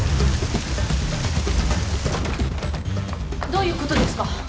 どういうことですか？